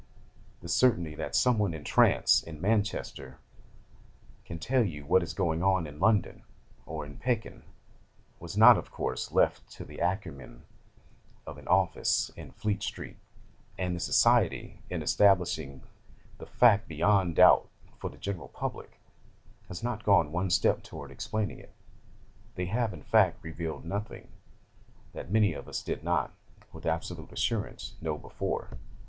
The certainty that someone in trance in Manchester can tell you what is going on in London, or in Pekin, was not, of course, left to the acumen of an office in Fleet Street; and the society, in establishing the fact beyond doubt for the general public, has not gone one step toward explaining it. They have, in fact, revealed nothing that many of us did not, with absolute assurance, know before.